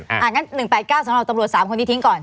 อย่างนั้น๑๘๙สำหรับตำรวจ๓คนนี้ทิ้งก่อน